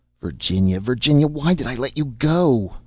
"Virginia! Virginia! Why did I let you go?"